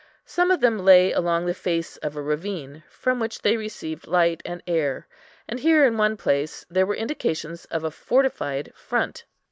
Some of them lay along the face of a ravine, from which they received light and air; and here in one place there were indications of a fortified front.